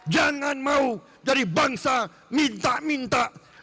jangan mau dari bangsa minta minta